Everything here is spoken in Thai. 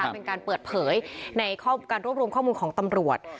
เป็นการเปิดเผยในการรวบรวมข้อมูลของตำรวจ